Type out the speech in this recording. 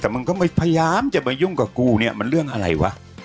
แต่มึงก็ไม่พยายามจะมายุ่งกับกูเนี่ยมันเรื่องอะไรวะ